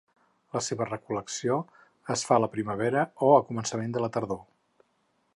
La seva recol·lecció es fa a la primavera o a començament de la tardor.